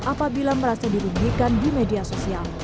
apabila merasa dirugikan di media sosial